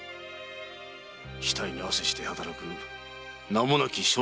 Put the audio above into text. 額に汗して働く名もなき庶民たちだ。